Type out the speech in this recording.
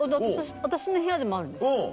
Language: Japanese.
私の部屋でもあるんですよ。